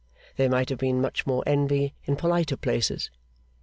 There might have been much more envy in politer places.